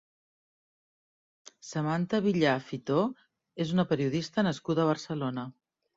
Samanta Villar Fitó és una periodista nascuda a Barcelona.